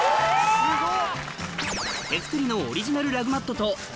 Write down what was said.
すっごい。